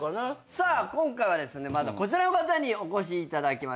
さあ今回はまずこちらの方にお越しいただきましょう。